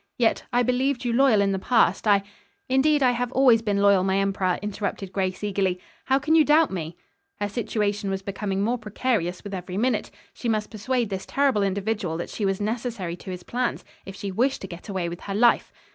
Yet, I believed you loyal in the past. I " "Indeed I have always been loyal, my emperor," interrupted Grace eagerly. "How can you doubt me?" Her situation was becoming more precarious with every minute. She must persuade this terrible individual that she was necessary to his plans, if she wished to get away with her life.